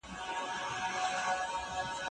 هغه استاد مې خوښ دی چي مشوري ورکوي.